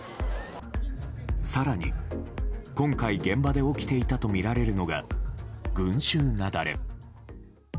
更に、今回現場で起きていたとみられるのが群衆雪崩。